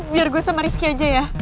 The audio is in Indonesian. biar gue sama rizky aja ya